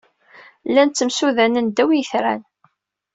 Llan ttemsudanen ddaw yitran.